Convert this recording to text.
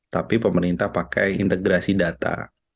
tapi pemerintah pakai integrasi data